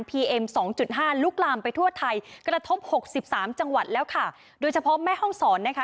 เอ็มสองจุดห้าลุกลามไปทั่วไทยกระทบหกสิบสามจังหวัดแล้วค่ะโดยเฉพาะแม่ห้องศรนะคะ